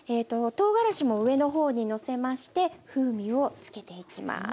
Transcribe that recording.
とうがらしも上の方にのせまして風味をつけていきます。